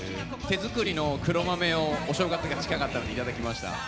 手作りの黒豆をお正月が近かったのでいただきました。